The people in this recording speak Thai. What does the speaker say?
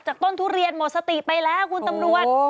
ต้นทุเรียนหมดสติไปแล้วคุณตำรวจ